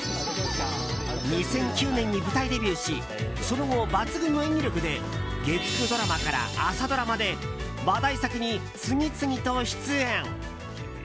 ２００９年に舞台デビューしその後、抜群の演技力で月９ドラマから朝ドラまで話題作に次々と出演。